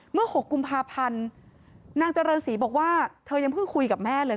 ๖กุมภาพันธ์นางเจริญศรีบอกว่าเธอยังเพิ่งคุยกับแม่เลย